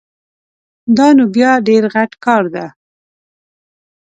دا نو بیا ډېر غټ کار ده